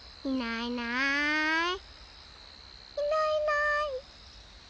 いないいない。